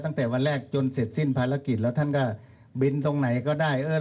ตั้งแต่วันแรกจนเสร็จสิ้นภารกิจแล้วท่านก็บินตรงไหนก็ได้เออ